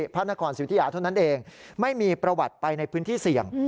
พระนครสิทธิยาเท่านั้นเองไม่มีประวัติไปในพื้นที่เสี่ยง